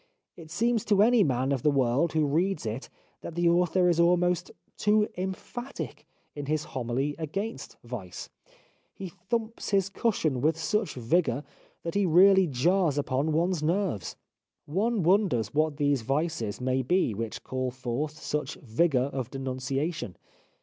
It seems to any man of the world who reads it that the author is almost too emphatic in his homily against vice. He thumps his cushion with such vigour that he really jars upon one's nerves. One wonders what these vices may be which call forth such vigour of denunciation.